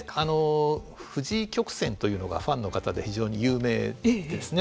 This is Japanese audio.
藤井曲線というのがファンの方で非常に有名ですね。